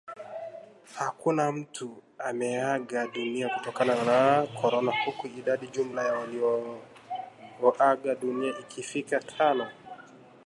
Hakuna mtu ameaga dunia kutokana na corona huku idadi jumla ya walioaga dunia ikifika tano